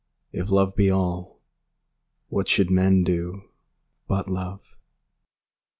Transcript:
If love be all, What should men do but love?